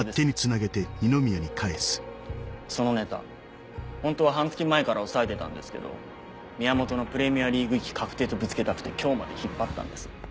そのネタホントは半月前から押さえてたんですけど宮本のプレミアリーグ行き確定とぶつけたくて今日まで引っ張ったんです。